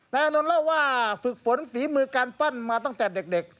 อานนท์เล่าว่าฝึกฝนฝีมือการปั้นมาตั้งแต่เด็ก